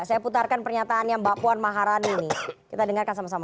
saya putarkan pernyataan yang mbak puan maharani nih kita dengarkan sama sama